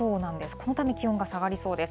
このため気温が下がりそうです。